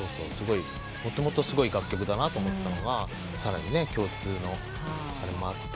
もともとすごい楽曲だなと思ってたのがさらに共通のあれもあってというのと。